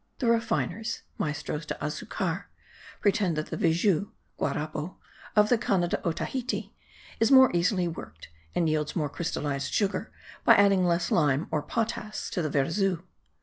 The refiners (maestros de azucar), pretend that the vezou (guarapo) of the Cana de Otahiti is more easily worked, and yields more crystallized sugar by adding less lime or potass to the vezou.